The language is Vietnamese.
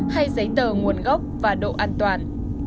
hay giấy tờ nguồn gốc và độ an toàn